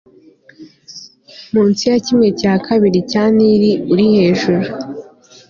munsi ya kimwe cya kabiri cya nili urihejuru